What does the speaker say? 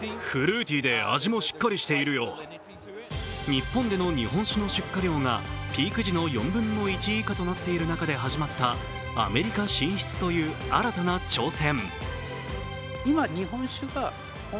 日本での日本酒の出荷量がピーク時の４分の１以下となっている中で始まったアメリカ進出という新たな挑戦。